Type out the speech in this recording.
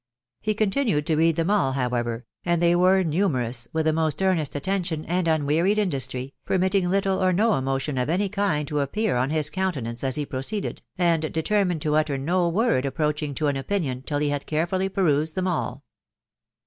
He continued to read them all, however, and they were numerous, with the most earnest attention and unwearied industry, permitting little or no emotion of any kind to appear on his countenance as he proceeded, and deter mined to utter no word approaching to an opinion till he had carefully perused them all.